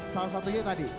salah satunya tadi